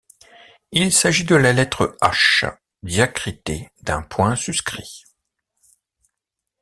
Il s’agit de la lettre H diacritée d’un point suscrit.